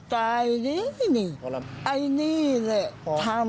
ตายนะนี่แล้ว